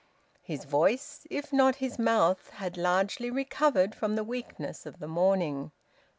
His voice, if not his mouth, had largely recovered from the weakness of the morning.